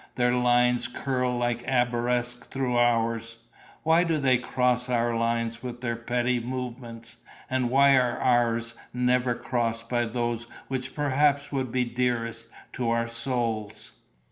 Their lines curl like arabesque through ours. Why do they cross our lines with their petty movements and why are ours never crossed by those which perhaps would be dearest to our souls?..."